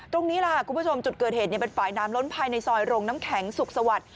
ตรงนี้ล่ะคุณผู้ชมจุดเกิดเหตุเป็นฝ่ายน้ำล้นภายในซอยโรงน้ำแข็งสุขสวัสดิ์